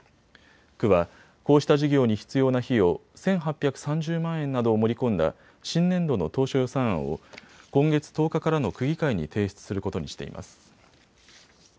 区は、こうした事業に必要な費用１８３０万円などを盛り込んだ新年度の当初予算案を今月１０日からの区議会に提出することにしています。